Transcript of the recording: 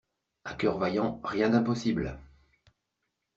A coeur vaillant, rien d'impossible